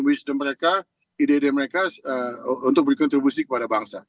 wisdom mereka ide ide mereka untuk berkontribusi kepada bangsa